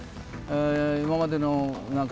今までのなんか、